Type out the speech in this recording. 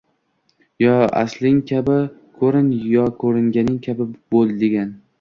Yo asling kabi koʻrin, yo koʻringaning kabi boʻl degan.